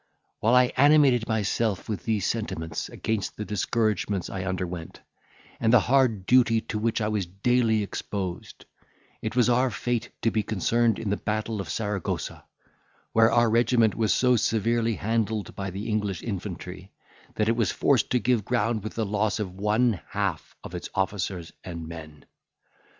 While I animated myself with these sentiments against the discouragements I underwent, and the hard duty to which I was daily exposed, it was our fate to be concerned in the battle of Saragossa, where our regiment was so severely handled by the English infantry, that it was forced to give ground with the loss of one half of its officers and men.